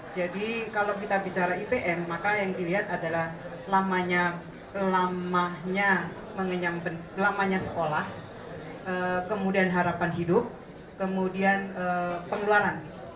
jadi kalau kita bicara ipm maka yang dilihat adalah lamanya sekolah kemudian harapan hidup kemudian pengeluaran